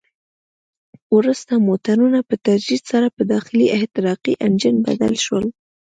وروسته موټرونه په تدریج سره په داخلي احتراقي انجن بدل شول.